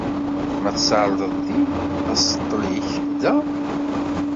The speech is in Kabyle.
Ma tessardeḍ din, aṣeṭṭel-ik da.